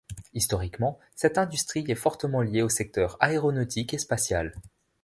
Historiquement, cette industrie est fortement liée au secteur aéronautique et spatial.